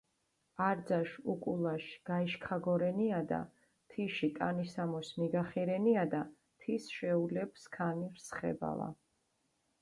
არძაში უკულაში გაიშქაგორენიადა, თიში ტანისამოსი მიგახირენიადა, თის შეულებჷ სქანი რსხებავა.